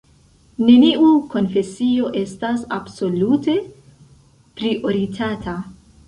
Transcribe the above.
Neniu konfesio estas absolute prioritata.